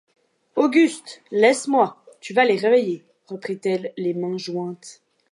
Auguste, laisse-moi, tu vas les réveiller, reprit-elle, les mains jointes.